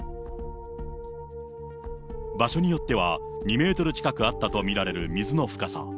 場所によっては２メートル近くあったと見られる水の深さ。